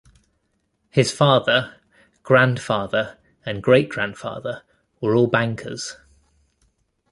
His father, grandfather and great-grandfather were all bankers.